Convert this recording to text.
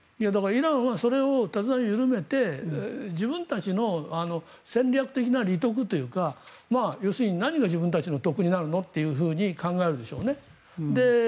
イランはそれを手綱を緩めて自分たちの戦略的な利得というか要するに何が自分たちの得になるのと考えるでしょうね。